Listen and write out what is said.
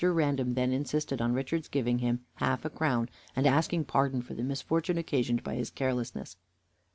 Random then insisted on Richard's giving him half a crown, and asking pardon for the misfortune occasioned by his carelessness.